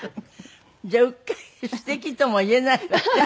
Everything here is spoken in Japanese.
じゃあうっかり「素敵」とも言えないわね。